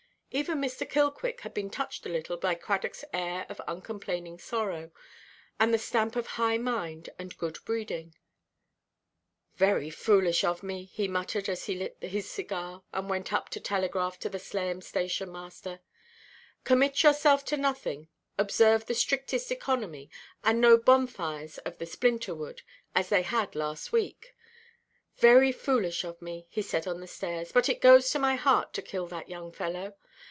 Even Mr. Killquick had been touched a little by Cradockʼs air of uncomplaining sorrow, and the stamp of high mind and good breeding. "Very foolish of me," he muttered, as he lit his cigar, and went up to telegraph to the Slayham station–master—ʼCommit yourself to nothing; observe the strictest economy; and no bonfires of the splinter–wood, as they had last weekʼ—"very foolish of me," he said on the stairs, "but it goes to my heart to kill that young fellow.